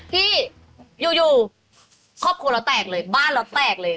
ที่อยู่ครอบครัวแล้วแตกเลยบ้านแล้วแตกเลย